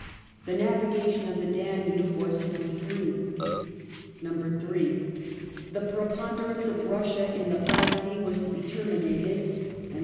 The navigation of the Danube was to be free ; 3. The preponderance of Russia in the Black Sea was to be terminated ; and, 4.